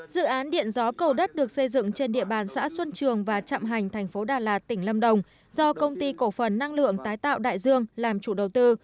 dự án điện gió cầu đất được xây dựng trên địa bàn xã xuân trường và trạm hành thành phố đà lạt tỉnh lâm đồng do công ty cổ phần năng lượng tái tạo đại dương làm chủ đầu tư